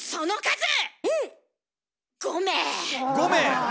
５名！